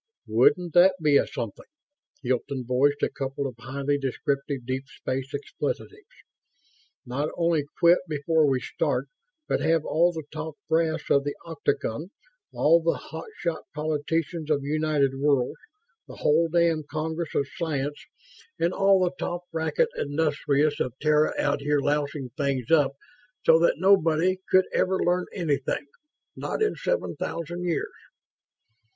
"Wouldn't that be a something?" Hilton voiced a couple of highly descriptive deep space expletives. "Not only quit before we start, but have all the top brass of the Octagon, all the hot shot politicians of United Worlds, the whole damn Congress of Science and all the top bracket industrialists of Terra out here lousing things up so that nobody could ever learn anything? Not in seven thousand years!"